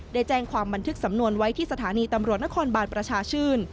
ได้แจ้งความบันทึกสำนวนไว้ที่สถานีตำรวจนครบานประชาชื่น